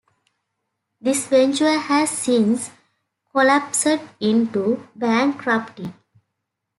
This venture has since collapsed into bankruptcy.